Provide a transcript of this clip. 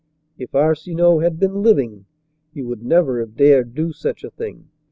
If Arsinoe had been living, he would never have dared do such a thing.